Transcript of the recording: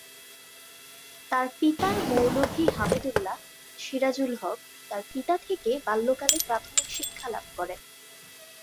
তার পিতার মৌলভি হামিদুল্লাহ, সিরাজুল হক তার পিতা থেকে বাল্যকালে প্রাথমিক শিক্ষা লাভ করেন।